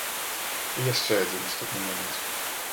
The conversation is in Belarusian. І яшчэ адзін істотны момант.